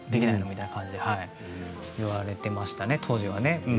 みたいな感じで言われていましたね、当時はね。